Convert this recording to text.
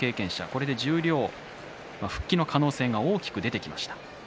これで十両復帰の可能性が大きく出てきました。